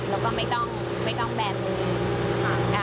แล้วก็ไม่ต้องแบบนึง